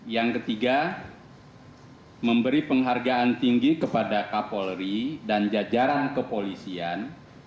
yang ketiga memberi penghargaan tinggi kepada kapolri dan jajaran kepolisian